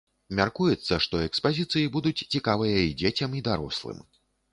Мяркуецца, што экспазіцыі будуць цікавыя і дзецям і дарослым.